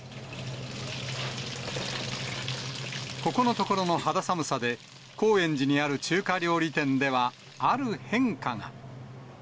ここのところの肌寒さで、高円寺にある中華料理店ではある変化が。